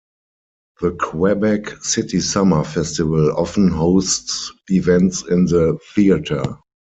The Quebec City Summer Festival often hosts events in the theatre.